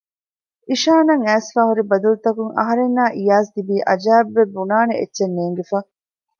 އިޝާން އަށް އައިސްފައިހުރި ބަދަލުތަކުން އަހަރެންނާއި އިޔާޒް ތިބީ އަޖައިބުވެ ބުނާނެ އެއްޗެއް ނޭންގިފަ